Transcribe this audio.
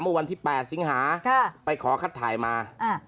วันที่๘สิงหาไปขอคัดถ่ายมา